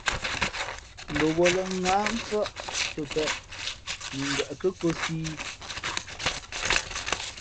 Mbαwα̌lᾱ ŋǎh, mfάʼ pepēʼ mα ngweʼ kάkōsī ī.